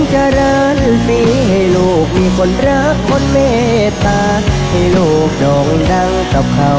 จำไม่ได้ค่ะ